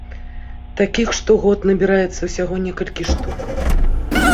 Такіх штогод набіраецца ўсяго некалькі штук.